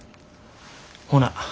ほな。